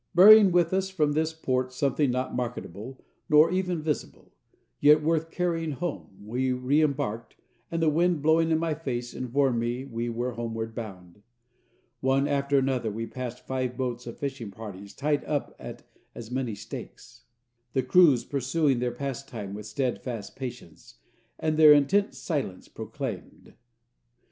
Bearing with us from this port something not marketable nor even visible, yet worth carrying home, we reëmbarked, and the wind, blowing in my face, informed me we were homeward bound. One after another, we passed five boats of fishing parties tied up at as many stakes, the crews pursuing their pastime with steadfast patience, as their intent silence proclaimed.